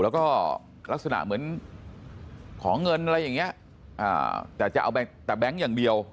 แล้วก็ลักษณะเหมือนขอเงินอะไรอย่างเงี้ยแต่จะเอาแต่แบงค์อย่างเดียว